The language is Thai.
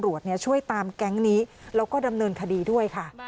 แล้วก็ดำเนินคดีด้วยค่ะ